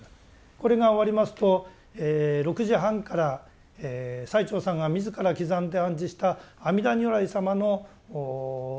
これが終わりますと６時半から最澄さんが自ら刻んで安置した阿弥陀如来様の供養